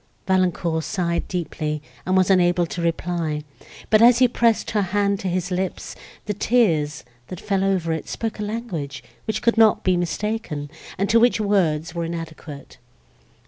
Valancourt sighed deeply, and was unable to reply; but, as he pressed her hand to his lips, the tears, that fell over it, spoke a language, which could not be mistaken, and to which words were inadequate.